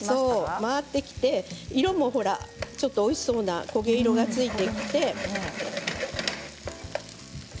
回ってきて色もおいしそうな焦げ色がついてきて。